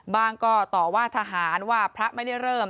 ก็ต่อว่าทหารว่าพระไม่ได้เริ่ม